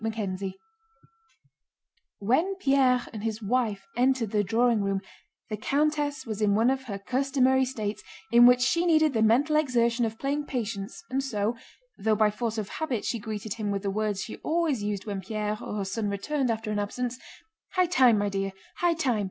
CHAPTER XIII When Pierre and his wife entered the drawing room the countess was in one of her customary states in which she needed the mental exertion of playing patience, and so—though by force of habit she greeted him with the words she always used when Pierre or her son returned after an absence: "High time, my dear, high time!